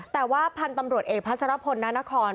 แต่ว่าพันธุ์ตำรวจเอกพัชรพลนานคร